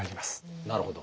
なるほど。